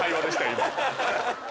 今。